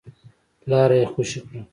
لاره يې خوشې کړه.